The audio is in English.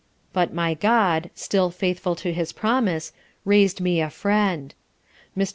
But My GOD, still faithful to his promise, raised me a friend. Mr.